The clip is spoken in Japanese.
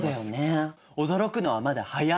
驚くのはまだ早いんです。